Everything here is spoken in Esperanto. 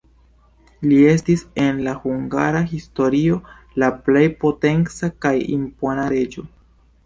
Li estis en la hungara historio la plej potenca kaj impona reĝo.